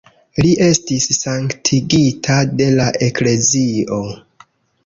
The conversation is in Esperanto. Li estis sanktigita de la eklezio.